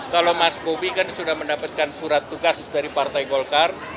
kalau mas bobi kan sudah mendapatkan surat tugas dari partai golkar